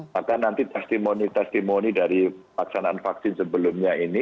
maka nanti testimoni testimoni dari paksanaan vaksin sebelumnya ini